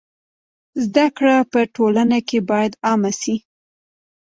زده کړه په ټولنه کي بايد عامه سي.